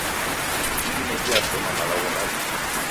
Idime diashoma malagho mawi'shi.